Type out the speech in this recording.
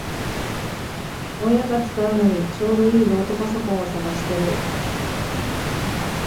親が使うのにちょうどいいノートパソコンを探してる